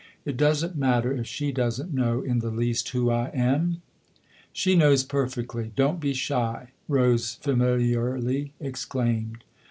" It doesn't matter if she doesn't know in the least who I am ?"" She knows perfectly don't be shy !" Rose familiarly exclaimed.